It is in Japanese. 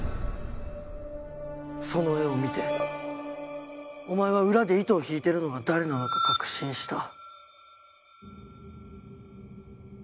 その絵を見てお前は裏で糸を引いてるのが誰なのか確信した。